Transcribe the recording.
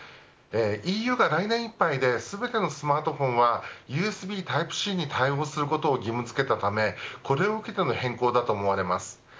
ＥＵが来年いっぱいで全てのスマートフォンはＵＳＢタイプＣに対応することを義務付けたためこれを受けての変更だと思われます。